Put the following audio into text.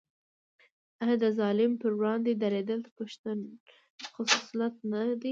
آیا د ظالم پر وړاندې دریدل د پښتون خصلت نه دی؟